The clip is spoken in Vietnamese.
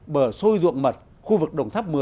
bờ xôi duộm mật khu vực đồng tháp một mươi